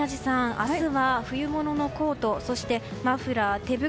明日は冬物のコートそしてマフラー、手袋